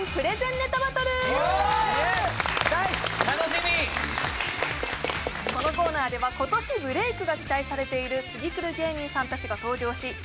楽しみこのコーナーでは今年ブレイクが期待されている次くる芸人さんたちが登場し